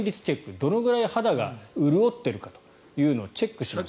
どのくらい肌が潤っているのかをチェックします。